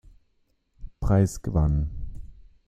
Preis gewann.